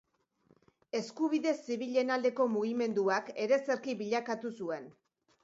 Eskubide zibilen aldeko mugimenduak ereserki bilakatu zuen.